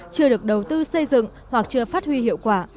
chưa được đầu tư xây dựng hoặc chưa phát huy hiệu quả